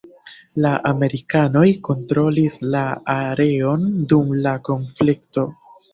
La amerikanoj kontrolis la areon dum la konflikto.